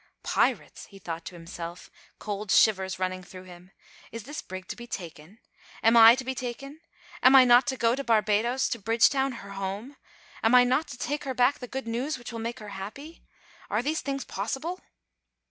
"Pirates!" he thought to himself, cold shivers running through him, "is this brig to be taken? Am I to be taken? Am I not to go to Barbadoes, to Bridgetown, her home? Am I not to take her back the good news which will make her happy? Are these things possible?"